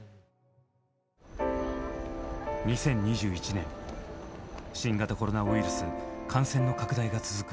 ２０２１年新型コロナウイルス感染の拡大が続く